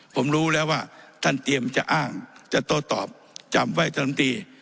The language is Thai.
ผมรู้แล้วว่าท่านเตรียมจะอ้างจะโต้ตอบจำไว้ท่านตรี